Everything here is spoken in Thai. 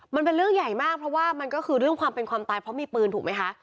มันเป็นเรื่องใหญ่มากเพราะว่ามันก็คือเรื่องความเป็นความตายเพราะมีปืนถูกไหมคะ